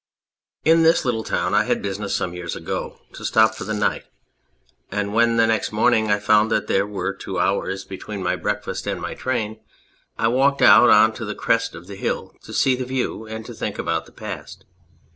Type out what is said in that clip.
In this little town I had business some years ago to stop for the night, and when the next morning I found that there were two hours between my break 236 The Fortress fast and my train I walked out on to the crest of the hill to see the view and to think about the past.